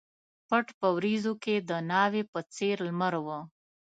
پټ په وریځو کښي د ناوي په څېر لمر و